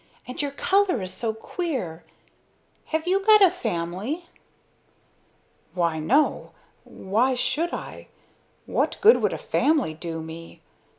And your color is so queer. Have you got a family?" "Why, no! Why should I? What good would a family do me?